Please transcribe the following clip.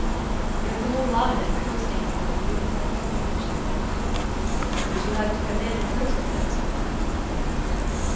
"There was a whole lot of them coasting before the moon set," she said. "Would you like to come in and coast with them some night?" he asked.